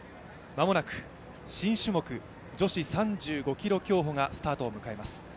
間もなく新種目、女子３５ｋｍ競歩がスタートを迎えます。